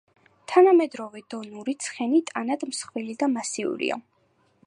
თანამედროვე დონური ცხენი ტანად მსხვილი და მასიურია.